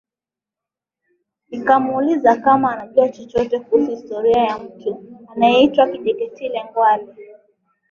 Nikamuuliza kama anajua chochote kuhusu historia ya mtu anayeitwa Kinjeketile Ngwale